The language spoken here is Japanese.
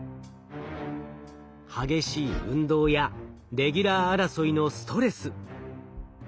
激しい運動やレギュラー争いのストレス。